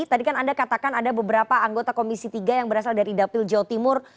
tadi kan anda katakan ada beberapa anggota komisi tiga yang berasal dari dapil jawa timur